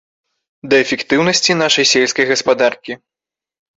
Да эфектыўнасці нашай сельскай гаспадаркі.